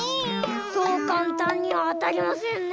そうかんたんにはあたりませんね。